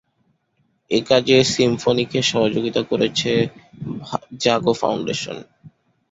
এ কাজে সিম্ফনিকে সহযোগিতা করেছে জাগো ফাউন্ডেশন।